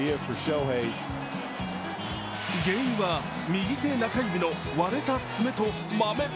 原因は右手中指の割れた爪とマメ。